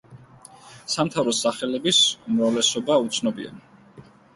სამთავროს სახელების უმრავლესობა უცნობია.